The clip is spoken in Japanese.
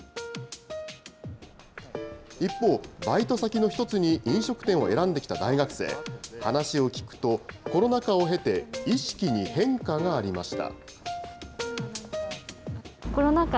一方、バイト先の一つに飲食店を選んできた大学生、話を聞くと、コロナ禍を経て、意識に変化がありました。